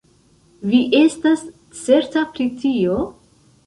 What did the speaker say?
Vi estas certa pri tio?